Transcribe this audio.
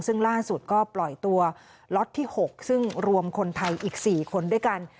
ซึ่งล่าสุดก็ปล่อยตัวล็อตที่๖ซึ่งรวมคนไทยอีก๔คนด้วยกัน